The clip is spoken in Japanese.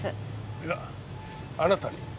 いやあなたに。